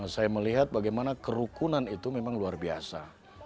saya melihat bagaimana kerukunan itu memang luar biasa